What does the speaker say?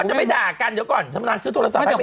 มันจะไม่ด่ากันเดี๋ยวก่อนสำหรับซื้อโทรศาสตร์ให้ไม่ด่ากัน